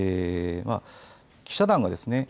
記者団はですね